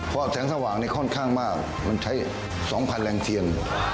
เพราะแสงสว่างนี่ค่อนข้างมากมันใช้๒๐๐แรงเทียน